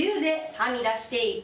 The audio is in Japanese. はみ出していく。